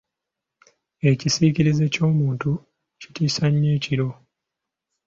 Ekisiikirize ky’omuntu kitiisa nnyo ekiro.